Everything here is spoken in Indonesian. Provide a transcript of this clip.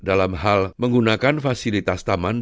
dalam hal menggunakan fasilitas taman